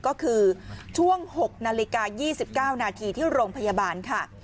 ก็คือช่วง๖นาฬิกา๒๙นาทีที่โรงพยาบาลค่ะ